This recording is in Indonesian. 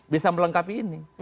bisa melengkapi ini